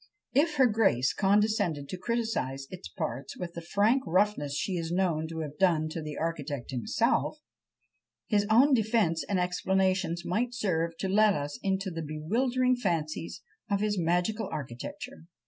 If her grace condescended to criticise its parts with the frank roughness she is known to have done to the architect himself, his own defence and explanations might serve to let us into the bewildering fancies of his magical architecture.